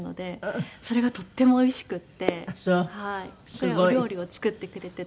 これはお料理を作ってくれていて。